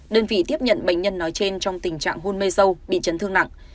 đơn vị tiếp nhận bệnh nhân nói trên trong tình trạng hôn mê sâu bị chấn thương nặng